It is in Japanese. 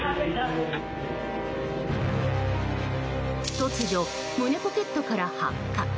突如、胸ポケットから発火。